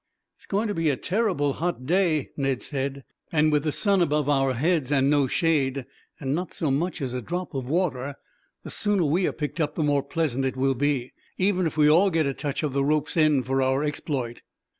"It is going to be a terrible hot day," Ned said, "and with the sun above our heads and no shade, and not so much as a drop of water, the sooner we are picked up the more pleasant it will be, even if we all get a touch of the rope's end for our exploit."